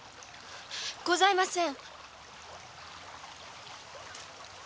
ございません。